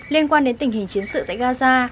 liên quan đến tình hình chiến sự tại gaza